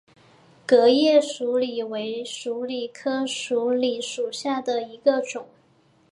革叶鼠李为鼠李科鼠李属下的一个种。